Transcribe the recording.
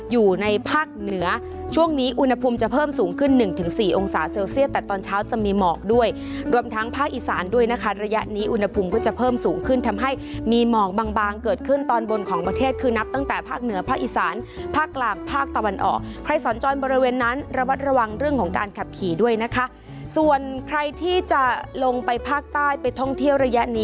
อยู่ในภาคเหนือช่วงนี้อุณหภูมิจะเพิ่มสูงขึ้น๑๔องศาเซลเซียสแต่ตอนเช้าจะมีหมอกด้วยรวมทั้งภาคอิสานด้วยนะคะระยะนี้อุณหภูมิก็จะเพิ่มสูงขึ้นทำให้มีหมอกบางเกิดขึ้นตอนบนของประเทศคือนับตั้งแต่ภาคเหนือภาคอิสานภาคกลางภาคตะวันออกใครสอนจอนบริเวณนั้นระวัดระวังเรื่องของการ